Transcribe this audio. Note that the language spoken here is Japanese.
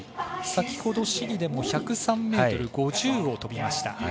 先ほど、試技でも１０３ｍ５０を飛びました。